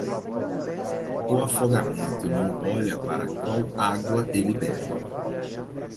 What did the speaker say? O afogamento não olha para qual água ele bebe.